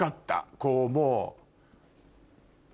こうもう。